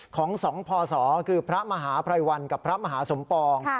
ของส่องพ่อสอคือพระมหาพรายวันกับพระมหาสมปอง